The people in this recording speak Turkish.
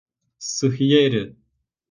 Sıhhiye eri!